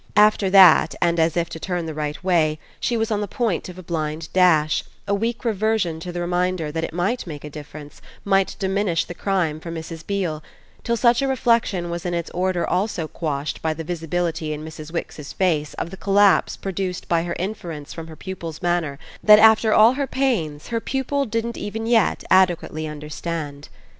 After that, and as if to turn the right way, she was on the point of a blind dash, a weak reversion to the reminder that it might make a difference, might diminish the crime for Mrs. Beale; till such a reflexion was in its order also quashed by the visibility in Mrs. Wix's face of the collapse produced by her inference from her pupil's manner that after all her pains her pupil didn't even yet adequately understand.